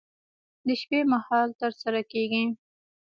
د شپې مهال ترسره کېږي.